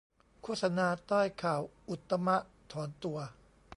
โฆษณาใต้ข่าวอุตตมถอนตัว